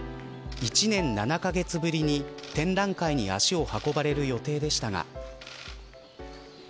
１年７カ月ぶりに展覧会に足に運ばれる予定でしたが。